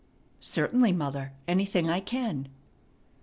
"Certainly, mother, anything I can."